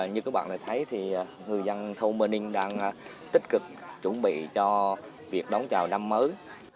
như các bạn đã thấy thì người dân thôn m ninh đang tích cực chuẩn bị cho việc đón chào năm mới